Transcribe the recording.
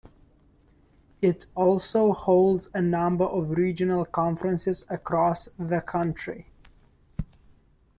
It also holds a number of regional conferences across the country.